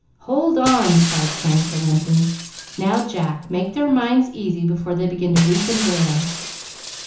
"Hold on!" cried Frank, relenting. "Now, Jack, make their minds easy before they begin to weep and wail."